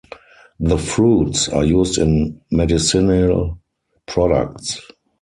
The fruits are used in medicinal products.